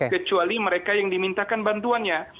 kecuali mereka yang dimintakan bantuannya